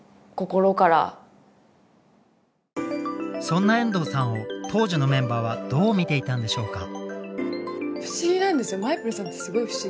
そんな遠藤さんを当時のメンバーはどう見ていたんでしょうか？